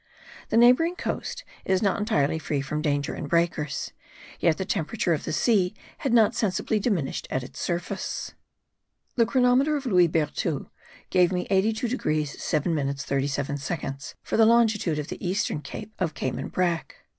The neighbouring coast is not entirely free from danger and breakers; yet the temperature of the sea had not sensibly diminished at its surface. The chronometer of Louis Berthoud gave me 82 degrees 7 minutes 37 seconds for the longitude of the eastern cape of Cayman brack.